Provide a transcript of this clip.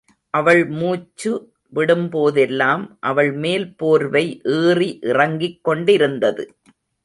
அவள் மூச்சு விடும்போதெல்லாம் அவள் மேல் போர்வை ஏறி இறங்கிக் கொண்டிருந்தது.